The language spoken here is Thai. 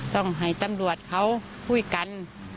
ต้องให้ตำรวจเขาคุยกัน